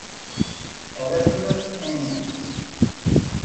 Elizabeth Ammons